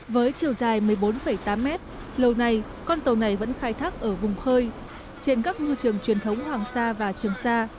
với chiều dài một mươi bốn tám mét lâu nay con tàu này vẫn khai thác ở vùng khơi trên các ngư trường truyền thống hoàng sa và trường sa